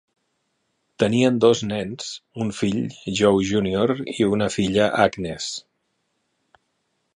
Tenien dos nens, un fill, Joe Junior, i una filla, Agnes.